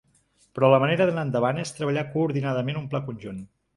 Però la manera d’anar endavant és treballar coordinadament un pla conjunt.